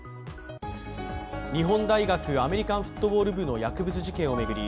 日本大学アメリカンフットボール部の薬物事件を巡り